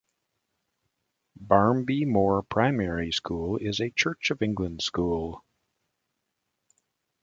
Barmby Moor Primary School is a Church of England school.